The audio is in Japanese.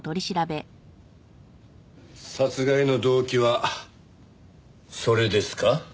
殺害の動機はそれですか？